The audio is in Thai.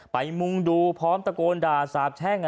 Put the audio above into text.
มุงดูพร้อมตะโกนด่าสาบแช่ง